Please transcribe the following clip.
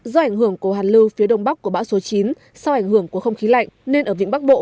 do ảnh hưởng của hàn lưu phía đông bắc của bão số chín sau ảnh hưởng của không khí lạnh nên ở vĩnh bắc bộ